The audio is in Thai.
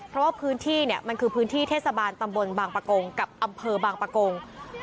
เพราะว่าพื้นที่เนี่ยมันคือพื้นที่เทศบาลตำบลบางประกงกับอำเภอบางปะโกง